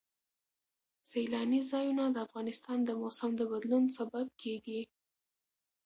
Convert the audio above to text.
سیلانی ځایونه د افغانستان د موسم د بدلون سبب کېږي.